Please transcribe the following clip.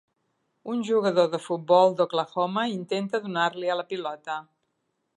Un jugador de futbol d'Oklahoma intenta donar-li a la pilota.